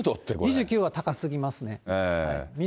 ２９は高すぎますね。